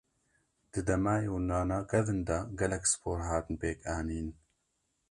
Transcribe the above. Di dema Yewnana kevin de gelek Spor hatin pêk anîn.